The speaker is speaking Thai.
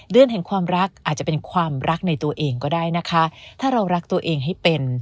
เดือนแห่งความรักอาจจะเป็นความรักในตัวเองก็ได้นะคะถ้าเรารักตัวเองให้เป็น